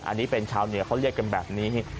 อันนี้เป็นชาวเหนือเขาเรียกกันแบบนี้